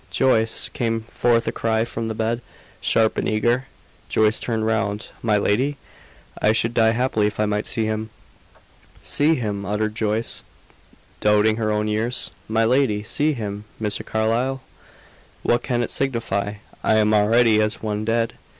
"Joyce!" came forth a cry from the bed, sharp and eager. Joyce turned round. "My lady?" "I should die happily if I might see him." "See him!" uttered Joyce, doubting her own ears. "My lady! See him! Mr. Carlyle!" "What can it signify? I am already as one dead.